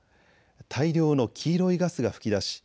大量の黄色いガスが噴き出し